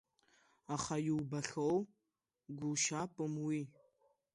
Аха иубахьоу гәылшьапым уи!